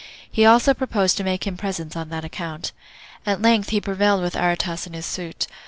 He also proposed to make him presents on that account. At length he prevailed with Aretas in his suit.